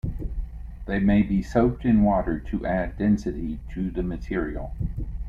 They may be soaked in water to add density to the material.